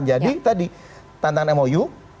jadi tadi tantangan mou